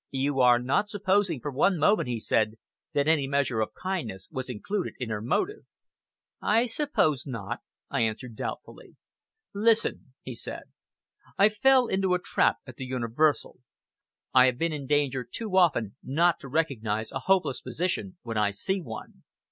"You are not supposing, for one moment," he said, "that any measure of kindness was included in her motive." "I suppose not," I answered doubtfully. "Listen!" he said, "I fell into a trap at the Universal. I have been in danger too often not to recognize a hopeless position when I see one.